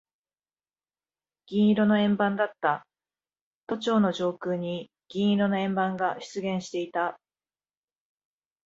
銀色の円盤だった。都庁の上空に銀色の円盤が出現していた。